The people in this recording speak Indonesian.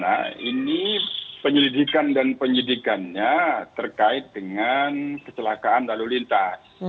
nah ini penyelidikan dan penyidikannya terkait dengan kecelakaan lalu lintas